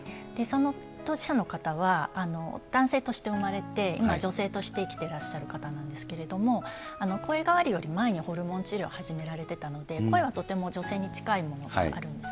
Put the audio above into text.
当事者の方は男性として生まれて、女性として生きてらっしゃる方なんですけれども、声変わりより前にホルモン治療を始められてたので、声はとても女性に近いものがあるんです。